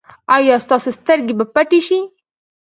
ایا ستاسو سترګې به پټې شي؟